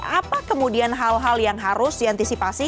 apa kemudian hal hal yang harus diantisipasi